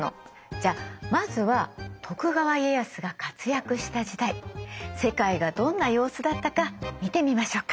じゃあまずは徳川家康が活躍した時代世界がどんな様子だったか見てみましょうか。